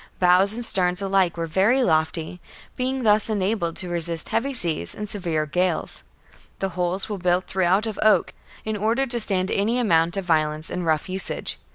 Bows and sterns alike were very lofty, being thus enabled to resist heavy seas and severe gales. The hulls were built throughout of oak, in order to stand any amount of violence and rough usage.